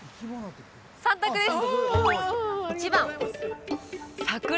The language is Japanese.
３択です